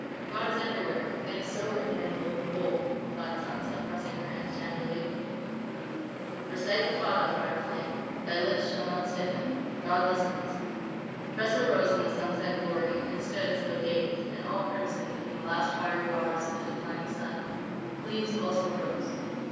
"God is everywhere. It is so written in the Book of Gold," replied Sansa, pressing her hands tenderly. "Recite the Fatha, Heart of Flame. Thy lips shall not stiffen; God listens." Tressa rose in the sunset glory and stood as though dazed, and all crimsoned in the last fiery bars of the declining sun. Cleves also rose.